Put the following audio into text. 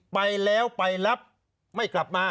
ไปแล้วไปรับไม่กลับมา